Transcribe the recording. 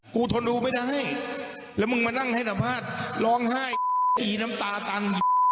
ทนดูไม่ได้แล้วมึงมานั่งให้สัมภาษณ์ร้องไห้ตีน้ำตาตัน